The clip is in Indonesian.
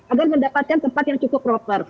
agar mendapatkan tempat yang cukup proper